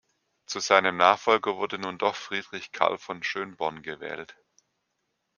Zu seinem Nachfolger wurde nun doch Friedrich Karl von Schönborn gewählt.